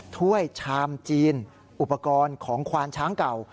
ถ้วยชามจีนอุปกรณ์ของควานช้างเก่า